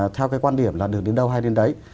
theo cái quan điểm là được đến đâu hay đến đấy